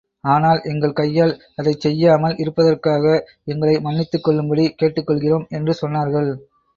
ஆனால், எங்கள் கையால், அதைச் செய்யாமால் இருப்பதற்காக எங்களை மன்னித்துக் கொள்ளும்படி கேட்டுக் கொள்கிறோம் என்று சொன்னார்கள்.